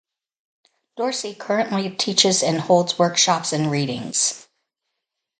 Dorsey currently teaches and holds workshops and readings.